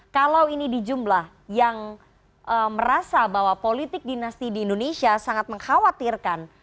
kalau ini di jumlah yang merasa bahwa politik dinasti di indonesia sangat mengkhawatirkan